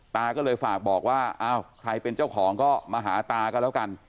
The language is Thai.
ตาก็เลยฝากบอกว่าอ้าวใครเป็นเจ้าของก็มาหาตาก็แล้วกัน